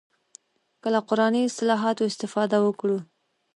که له قراني اصطلاحاتو استفاده وکړو.